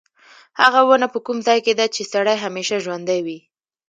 هغه ونه په کوم ځای کې ده چې سړی همیشه ژوندی وي.